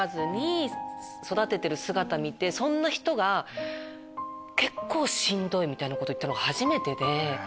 そんな人が結構しんどいみたいなこと言ったの初めてで。